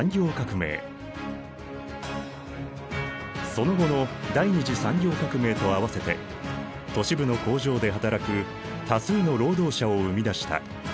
その後の第二次産業革命と併せて都市部の工場で働く多数の労働者を生み出した。